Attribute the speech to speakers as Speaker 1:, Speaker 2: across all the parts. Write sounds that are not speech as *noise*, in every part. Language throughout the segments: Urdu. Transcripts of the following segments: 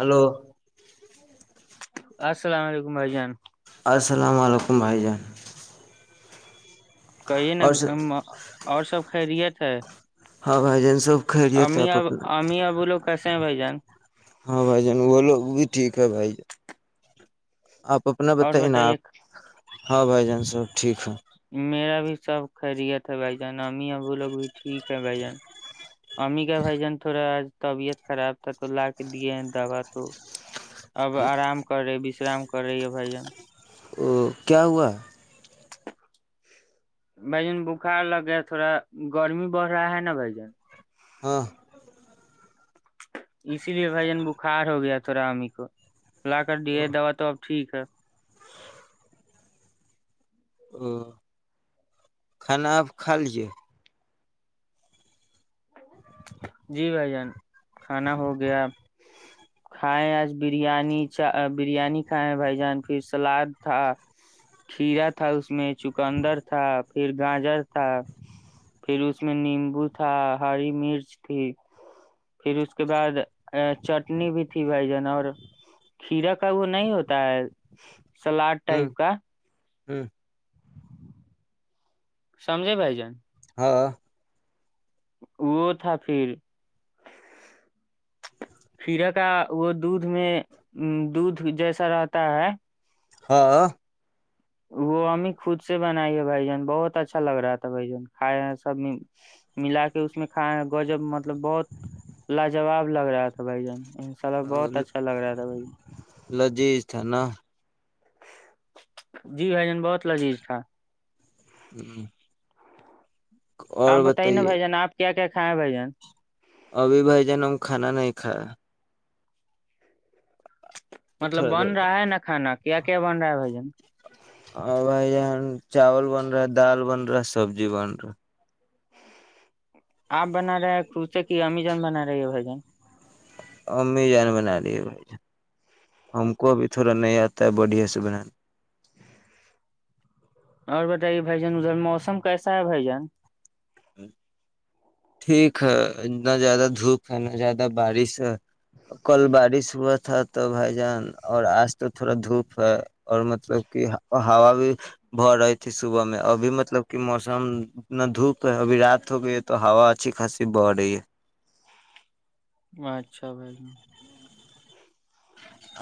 Speaker 1: ہلو
Speaker 2: السلام علیکم بھائی جان
Speaker 1: السلام علیکم بھائی جان
Speaker 2: کہیے نا
Speaker 1: اور
Speaker 2: اور سب خیریت ہچھ
Speaker 1: ہاں بھائی جین سو
Speaker 2: امی ا بولو کیسے ہیں بھائی جانا
Speaker 1: ہاں بھائی جان وہ لوگ بھی ٹھیک ہے بھائی ج آپ اپنا
Speaker 2: اور
Speaker 1: بتائی نا
Speaker 2: بتائیے
Speaker 1: آپ ہاں بائی جان سب ٹھیک ہے
Speaker 2: میرا بھی سب خیریت ہے بھائی جان نام ہے وہ لوگ بھی ٹھیک ہے بھائی جان ج *inaudible* ام کا بھائی جان تھوڑا آج طبیعت خراب تھا تو لا کے دیے ہیں دوا تو اب آرام کر رہے وشرام کر رہی ہے بھائی
Speaker 1: او کیا ہوا *unintelligible*
Speaker 2: بھ جن بخار لگےیا تھوڑا گرمی بڑھ رہا ہے نا بھ جن
Speaker 1: ہاں
Speaker 2: اسی لیے بھائی جان بخار ہو گیا تھڑا ااممی کو للا کر دی ہے دوا تو اب ٹھیک ہ *inaudible*
Speaker 1: او کھانا آپ کھا لے
Speaker 2: جی بھائی جان کھانا ہو گیا کھائے آج بریانی چ بریانی کھائے بھائی جان پھر سلاد تھا کھیرا تھا اس میں چکندر تھا پھر گاجر تھا پھر اس میں نیمبو تھا ہری مرچ کچھ یک *unintelligible* پھر اس کے بعد چٹنی بھی تھی بھائی جان اور کھیرا کا وہ نہیں ہوتا ہے سلاد ٹائپ کا
Speaker 1: ہوں
Speaker 2: سمجے بھائی جان
Speaker 1: ہاں
Speaker 2: وہ تھا پھر کرے کا وہ دھ میں دھ جیسا رہتا ہے
Speaker 1: ہاں
Speaker 2: وہ امی خود سے بنائی ہے بھائی جان بہت اچھا لگ رہا تھا بھ جان کھائے سب ملا کے اس میں کھائے گجب مطلب بہت لاجواب لگ رہا تھا بھائی جان انشاء اللہ
Speaker 1: ا
Speaker 2: بہت اچھا لگ رہا تھا بھائی جان
Speaker 1: لذیذ تھا نا
Speaker 2: جی بھائی جان بہت لذیذ تھا
Speaker 1: ہوں
Speaker 2: آپ بتائیے نا بھائی جان آپ کیا کیا ہاں بھ جان
Speaker 1: ابھی بھائی جان ہم کھانا نہیں کھایا
Speaker 2: مطلب
Speaker 1: تھوڑا
Speaker 2: بن
Speaker 1: دیر
Speaker 2: رہا ہے نا کھانا کیا کیا بن رہا ہے بھ جن
Speaker 1: ہ بھائی جان چاول بن رہا ہے دال بن رہا سبزی بن رہا
Speaker 2: آپ بنا رہے ہیں کروس کی امیزون بنا رہے ہے ب ج
Speaker 1: امی جان بنا لیے بھائی جان ہم کو ابھی تھوڑا نہیں آتا ہے بڑھیا سے بنانا
Speaker 2: اور بتائیے بھ جان ادھر موسم کیسا ہے بھائی جان
Speaker 1: ٹھیک ہے نہ زیادہ دھوپ ہے نہ زیادہ بارش ہے کل بارش وت تھا تو بھائی جان اور آج تو تھوڑا دھوپ ہے اور مطلب کہ ہوا بھی بہ رہی تھی صبح میں ابھی مطلب کہ موسم انا دھوپ تو ابھی رات ہو گئی ہے تو ہوا اچھی خاص بڑ رہی ہے
Speaker 2: اچھا بھائی ج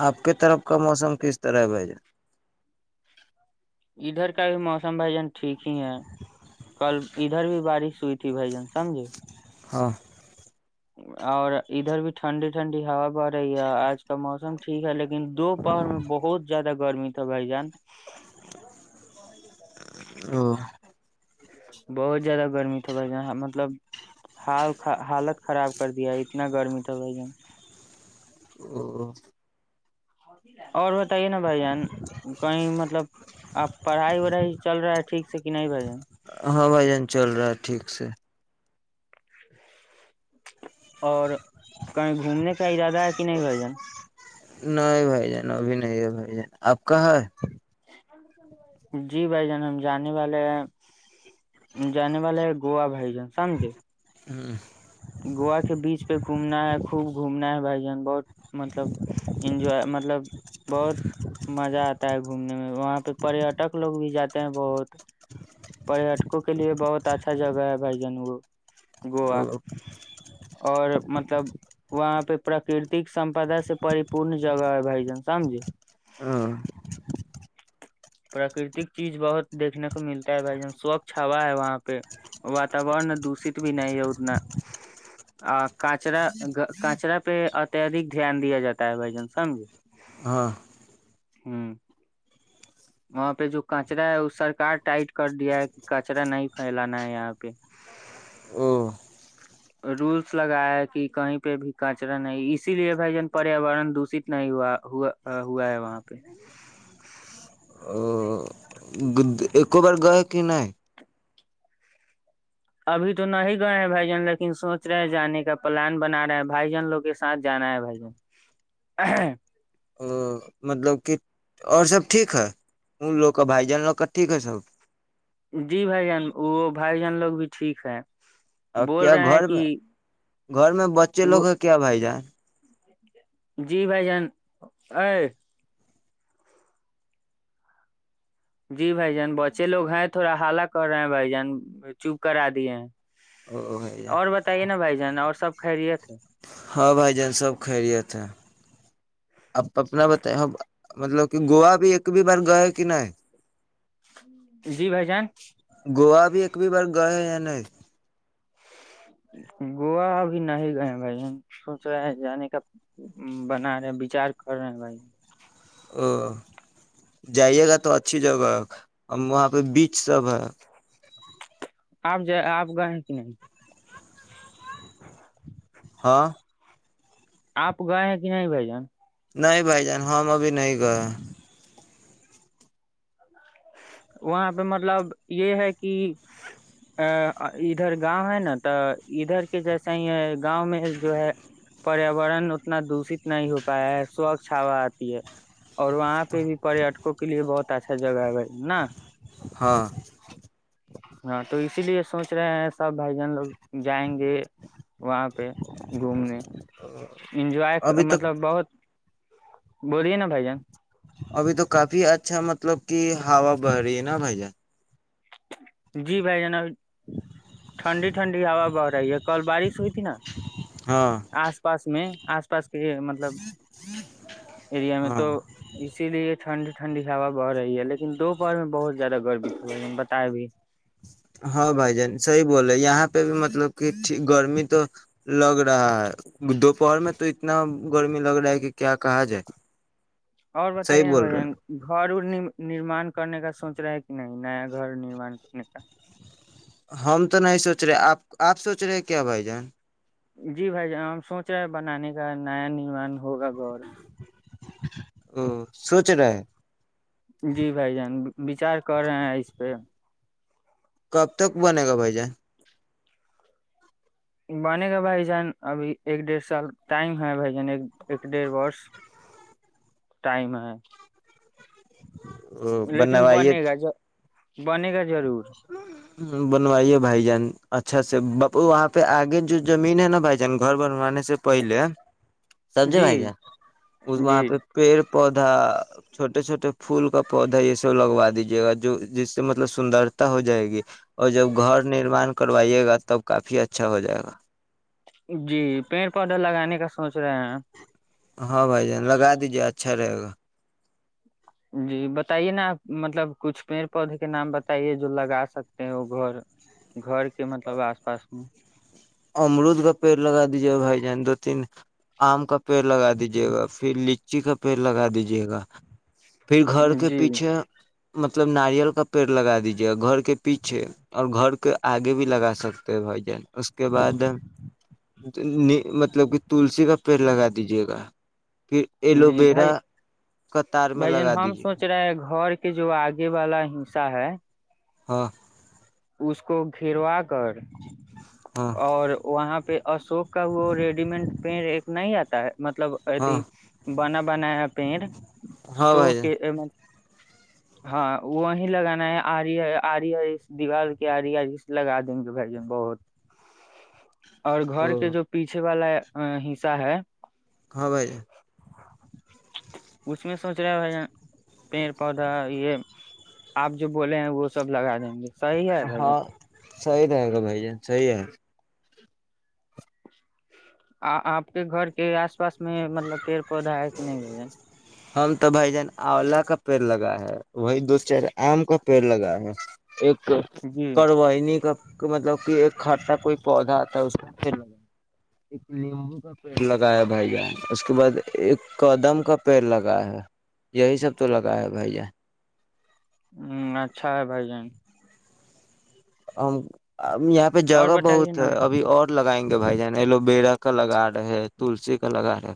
Speaker 1: آپ کی طرف کا موسم کس طرح ہے بائی جان
Speaker 2: ادھر کا بھی موسم بھائی جان ٹھیک ہی ہے کل ادھر بھی بارش ہوئی تھی بھائی جان سمجھے
Speaker 1: ہاں
Speaker 2: اور ادھر بھی ٹھنڈی ٹھنڈی ہوا بڑ رہی ہے آج کا موسم ٹھیک ہے لیکن دو پہور میں بہت زیادہ گرمی تو بھائی جان
Speaker 1: او
Speaker 2: بہت زیادہ گرمی تھا بھائی ج مطلب حال حالت خراب کر دیا اتنا گرمی تھا بھائی جان
Speaker 1: *inaudible*
Speaker 2: *inaudible* اور بتائیے نا بھ جان کہیں مطلب آب پڑھائی وڑھائی چل رہا ہے ٹھیک س کنائی پا جائے
Speaker 1: ہاں بھائی جان چل رہا ہے ٹھیک سے
Speaker 2: اور کہیں گھومنے کا ارادہ ہے کہ نہیں بھ جان
Speaker 1: نہیں بھائی جان ابھی نہیں ہے بھائی جان آپ کہاں ہے
Speaker 2: جی بھائی جان ہم جانے والے ہیں جانے والے ہیں گووا بھائی جان سمجھے
Speaker 1: ہاں
Speaker 2: گووا کے بیچ پہ گھومنا ہے خوب گھومنا ہے بھائی جان بہت مطلب انجوائے مطلب بہت مزہ آتا ہے گھومنے میں وہاں پہ پریٹک لوگ بھی جاتے بہت پٹکوں کے لیے بہت اچھا جگہ ہے بھائی جان وہ گووا
Speaker 1: *inaudible*
Speaker 2: اور مطلب وہاں پہ پراکرتک سمپدا سے پری پورن جگہ ہے بھائی جان سمجے
Speaker 1: ہاں
Speaker 2: پراکرتک چیز بہت دیکھنے کو ملتا ہے بھائی جن سوچھ ہوا ہے وہاں پہ واتورن دشت بھی نہیں ہے اتنا کچرا کچرا پہ اتدک دھیان دیا جاتا ہے بھ جان سمجے
Speaker 1: ہاں
Speaker 2: ہمم وہاں پہ جو کچرا ہے وہ سرک ٹائٹ کر دیا ہے کہ کچرا نہیں پھیلانا ہے یہاں پہ
Speaker 1: او
Speaker 2: رولس لگایا ہے کہ کہیں پہ بھی کچرا نہیں اسی لیے بھائی جان پریاورن دوشت نہیں ہوا ہو ہوا ہے وہاں پہ
Speaker 1: *inaudible* *inaudible*
Speaker 2: ابھی تو نہیں گئے ہیں بھائی جن لیکن سوچ رہے ہیں جانے کا پلان بنا رہے ہے بھائی جان لوگ کے ساتھ جانا ہے بھائی جن
Speaker 1: مطلب کہ اور سب ٹھ ہے ا لو کے بھائی جان لو کے ٹھ ہے سب
Speaker 2: جی بھائی جان وہ بھائی جان لوگ بھی ٹھیک ہے
Speaker 1: اور
Speaker 2: بول
Speaker 1: کیا
Speaker 2: رہے ہیں
Speaker 1: گھر میں
Speaker 2: کہ
Speaker 1: گھر میں بچے لوگ
Speaker 2: وہ
Speaker 1: ہیں کیا بھائی جان
Speaker 2: جی بھائی جان جی بھائی جان بچے لوگ ہیں تھوڑا حالا کر رہے ہیں بھائی جان چوپ کرا دیے ہیں
Speaker 1: او بھائی جان
Speaker 2: اور بتائیے نا بھائی جان اور سب خیریت ہے
Speaker 1: ہاں بھائی جان سب خیریت اپنا بت مطلب کہ گووا بھی ایک بھی بار گئے کہ نہیں
Speaker 2: جی بھائی جان
Speaker 1: گ ہے یا نہیں *unintelligible* *unintelligible*
Speaker 2: گووا ابھی نہیں گئے بھائی سوچ رہے ہیں جانے کا بنا رہے بچار کر رہے ہیں بھائی
Speaker 1: او جائیے گا تو اچھی جگہ ہم وہاں پہ بیچ سب ہے
Speaker 2: آپ ج آپ گئے ہیں کہ نہیں *unintelligible* *inaudible*
Speaker 1: ہاں
Speaker 2: آپ گئے ہیں کہ نہیں بھائی جان
Speaker 1: نہیں بھائی جان ہم ابھی نہیں گئے
Speaker 2: وہاں پہ مطلب یہ ہے کہ ا ادھر گاؤں ہے نا تو ادھر کے جیسا ہی ہے گاؤں میں جو ہے پریاورن اتنا دشت نہیں ہو پایا ہے سوچھ ہا آتی ہے اور وہاں پہ بھی پٹکوں کے لیے بہت اچھا جگہ ہے نہ *unintelligible*
Speaker 1: ہاں
Speaker 2: ہاں تو اسی لیے سوچ رہے ہیں سب بھائی جان لوگ جائیں گے وہاں پہ گھومنے انجوائے
Speaker 1: ابھی تو
Speaker 2: مطلب بہت بولیے نا بھائی جان
Speaker 1: ابھی تو کافی اچھا مطب مل کہ ہوا بری نا بائ جا
Speaker 2: جی بھائی جناب ٹھنڈی ٹھنڈی ہا بہ رہی ہے کل بارش ہوئی تھی نا
Speaker 1: ہاں
Speaker 2: آس پاس میں آس پاس کہ مطلب ایریا میں
Speaker 1: ہاں
Speaker 2: تو اسی لیے ٹھنڈی ٹھنڈی ہوا بہ رہی ہے لن دوپہر میں بہت زیاد گرمیی ہوا ہے بتتاب بھی
Speaker 1: ہاں بھائی جان صحی بولے یہاں پہ بھی مطلب کہٹھیک گرمی تو لگ رہا ہے دوپہر میں تو اتنا گرمی لگ رہا ہے کہ کیا کہا جائے
Speaker 2: اور
Speaker 1: صحیح
Speaker 2: بتائیے
Speaker 1: بول
Speaker 2: بھائیین
Speaker 1: رہے
Speaker 2: گھر اورنی نرمان کرنے کا سوچ رہا ہے کہ نہیں نیا گھر نرمان کرنے کا
Speaker 1: ہم تو نہیں سوچ رہے آپ آپ سوچ رہے کیا بھائی جان
Speaker 2: جی بھائی ہم سوچ رہے ہیں بنانے کا نیا نیمن ہوگ گ اورور *unintelligible*
Speaker 1: سوچ رہا ہے
Speaker 2: جی بھائی جان بچار کر رہے ہیں اس پہ
Speaker 1: کب تک بنے گا بھائی جان
Speaker 2: بنے گا بھائی جان ابھی ایک ڈیھ سال ٹائم ہے بھائی جان ایک ایک ڈھ وورس ٹائم ہے
Speaker 1: ا
Speaker 2: لیکن
Speaker 1: بنوئیےت
Speaker 2: بنے گا بنے کر *unintelligible*
Speaker 1: ہوں *unintelligible* بنوائیے بھائی جان اچھا سے بپ وہاں پہ آگے جو زمین ہے نا بھائی جان گھر بنوانے سے پہلے سبزے
Speaker 2: جی
Speaker 1: بھائی جائے
Speaker 2: جی
Speaker 1: وہاں پہ پیڑ پودا چھوٹے چھوٹے پھول کا پودا یہ سب لگوا دیجیے گا جو جس سے مطلب سندر ہو جائے گی اور جب گھر نرمان کروائیے گا تب کافی اچھا ہو جائے گا
Speaker 2: جی پیڑ پودا لگانے کا سوچ رہے ہیں
Speaker 1: ہاں بھائی جان لگا دیجیے اچھا رہے گا
Speaker 2: جی بتائیے نا آپ مطلب کچھ پیڑ پودے کے نام بتائیے جو لگا سکتے ہیں وہ گھر گھر کے مطلب آس پاس میں
Speaker 1: امرود کا پیڑ لگا دیجیے گا بھائی جان دو تین آم کا پیڑ لگا دیجے گا پھر لچی کا پیڑ لگا دیجیے گا پھر گھر
Speaker 2: میں
Speaker 1: کے
Speaker 2: جی
Speaker 1: پیچھے مطلب ناریل کا پیڑ لگا دیجیے گا گھر کے پیچھے اور گھر کے آگے بھی لگا سکتے ہیں بھائی جان اس کے اس کے بعد مطلب کہ تلسی کا پیڑ لگا دیجیے گا پھر ایلو
Speaker 2: جی
Speaker 1: ویرا
Speaker 2: بھائی
Speaker 1: قطار میں لگا دیجیے
Speaker 2: کہ جو آگے والا ہسہ ہے
Speaker 1: ہاں
Speaker 2: اس کو گروا کر
Speaker 1: ہاں
Speaker 2: اور وہاں پہ ا شوک کا وہ ریڈی میڈ پینیر ایک نہیں آتا ہے مطلب اد
Speaker 1: ہاں
Speaker 2: بنا بنایا پینٹ
Speaker 1: ہاں
Speaker 2: سو
Speaker 1: بھائی جان
Speaker 2: کہ *unintelligible* ہاں وہیں لگانا ہے آری ہے آری ہے دیوار کی آڑی آڑی لگا دیں گے بھائی جن بہت اور
Speaker 1: او
Speaker 2: گھر کے جو پیچھے والا ہے حصہ ہے *inaudible*
Speaker 1: ہاں بھائی
Speaker 2: اس میں سوچ رہے بھائی جان پیڑ پودھا یہ آپ جو بولے ہیں وہ سب لگا دیں گے صحی ہے بھائی جان
Speaker 1: ہاں صحیح رہے گا بھائی جان صحیح ہے
Speaker 2: آ آپ کے گھر کے آس پاس اس میں مطلب پیڑ پودھا ہے کہ نہیں ہے
Speaker 1: ہم تو بھائی جان آولا کا پیڑ لگا ہے وہی دو چار آم کا پیڑ لگا ہے ایک
Speaker 2: جی
Speaker 1: کروآئینی کا مطلب کہ ایک کھٹا کوئی پودھا آتا ہے اس کا پڑ لگایا ایک نیمبو کا پیڑ لگایا بھائی جان اس کے بعد ایک قدم کا پیڑ لگا ہے یہی سب تو لگا ہے بھائی ج
Speaker 2: ہوں اچھا ہے بھائی جان
Speaker 1: ہم *unintelligible* ا یہاں پہ
Speaker 2: اور
Speaker 1: جگہ
Speaker 2: بتائیے
Speaker 1: بہت ہے
Speaker 2: نا
Speaker 1: ابھی اور لگائیں گے بھائی جان ایلو بییرا کا لگا رہے تلسی کا لگا رہے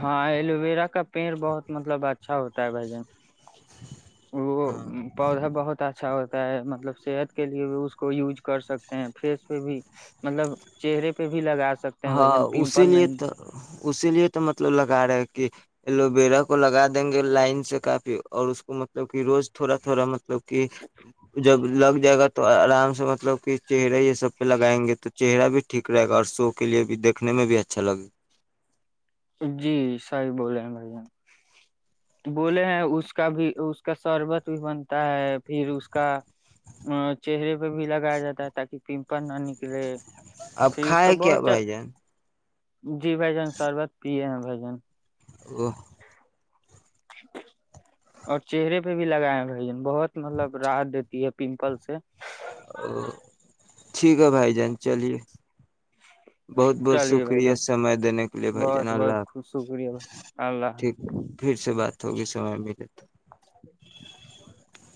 Speaker 2: ہاں ایلو ویرا کا پیڑ بہت مطلب اچھا ہوتا ہے بھائی جان وہ پودھا بہت ب اچھا ہوتا ہے مطلب صحت کے لیے بھی اس کو یوز کر سکتے ہیں فیس پہ بھی مطلب چہرے پہ بھی لگا سکتے ہیں بھائی
Speaker 1: ہاں
Speaker 2: جان
Speaker 1: اسی
Speaker 2: پمپل
Speaker 1: لیے
Speaker 2: نہیں
Speaker 1: تو اسی لیے تو تو مطلب لگا رہے ہے کہ ایلوویرا کو لگا دیں گے لائن سے کافی اور اس کو مطلب کہ روز تھوڑا تھوڑا مطلب کہ جب لگ جائے گا تو آرام سے مطلب کہ چہرہ یہ سب پہ لگائیں گے تو چہرہ بھی ٹھیک رہے گا اور سوف اس کے لیے بھی دیکھنے میں بھی اچھا لگے
Speaker 2: جی صحیح بولے ہیں بھائی جان بولے ہیں اس کا بھی اس کا شربت بھی بنتا ہے پھر اس کا چہرے پہ بھی لگایا جاتا ہے تاکہ پمپل نہ نکلے
Speaker 1: اب
Speaker 2: پھر اس کا
Speaker 1: کھائے کیا
Speaker 2: بہت چا-
Speaker 1: بھائی جان
Speaker 2: جی بھائی جان سربت پیئے ہے بھائی جان
Speaker 1: *unintelligible*
Speaker 2: اور چہہرے پہ بھی لگائے بھائی جان بہت مطلب راحت دیتی ہے پمپل سے
Speaker 1: ٹھیک ہے بھائی جان چلیے بہت بہت
Speaker 2: چلیے بھائی
Speaker 1: شکریہ
Speaker 2: جان
Speaker 1: سمے دینے کا
Speaker 2: بہت بہت خوب شکریہ اللہ
Speaker 1: تو *unintelligible* *unintelligible*